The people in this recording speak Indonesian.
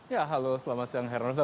ya halo selamat siang heranov